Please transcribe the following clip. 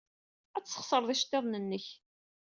Ad tesxeṣreḍ iceḍḍiḍen-nnek.